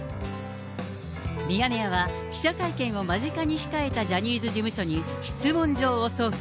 ミヤネ屋は、記者会見を間近に控えたジャニーズ事務所に、質問状を送付。